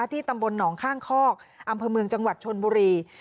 ตำบลหนองข้างคอกอำเภอเมืองจังหวัดชนบุรี